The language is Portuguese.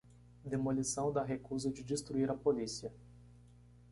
Demolição da recusa de destruir a polícia